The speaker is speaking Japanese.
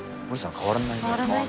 変わらないですね。